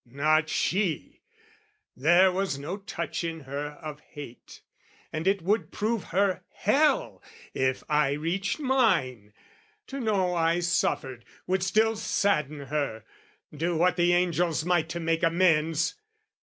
Not she! There was no touch in her of hate: And it would prove her hell, if I reached mine! To know I suffered, would still sadden her, Do what the angels might to make amends!